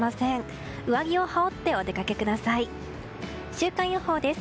週間予報です。